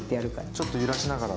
ちょっと揺らしながら。